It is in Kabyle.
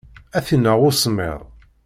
Ad t-ineɣ usemmiḍ.